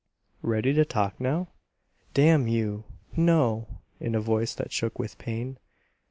"Ready to talk now?" "Damn you no!" in a voice that shook with pain.